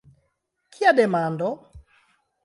Kia demando!